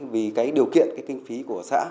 vì cái điều kiện cái kinh phí của xã